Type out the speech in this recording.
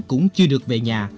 cũng chưa được về nhà